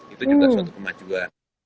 itu juga suatu kemajuan